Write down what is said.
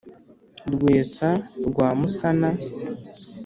rwesa rwa musana